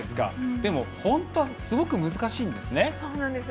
でも、すごく難しいんですね。